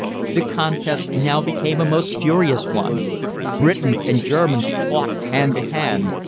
The contest now became a most furious one. Britons and Germans fought hand to hand.